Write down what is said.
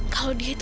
kalau dia itu